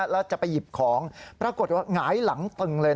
แล้วจะไปหยิบของปรากฏว่าหงายหลังตึงเลย